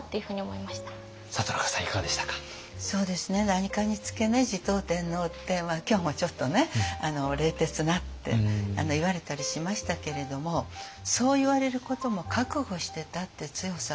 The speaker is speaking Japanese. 何かにつけ持統天皇って今日もちょっとね「冷徹な」って言われたりしましたけれどもそう言われることも覚悟してたって強さはあると思います。